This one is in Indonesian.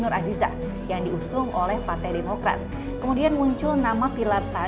persaingan semakin ketat karena koalisi pdi pdi juga gerindra harus melawan kekuatan partai keadilan sejahtera